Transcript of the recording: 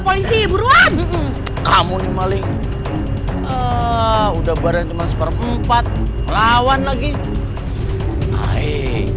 polisi buruan kamu nih maling udah bareng cuma seperempat lawan lagi hai hai